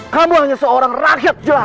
kamu hanya seorang rakyat jelas